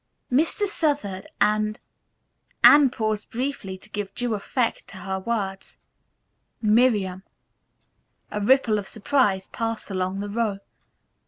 "Mr. Southard and" Anne paused briefly to give due effect to her words "Miriam." A ripple of surprise passed along the row.